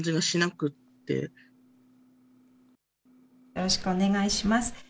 よろしくお願いします。